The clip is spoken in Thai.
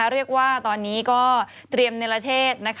เรียกว่าตอนนี้ก็เตรียมเนรเทศ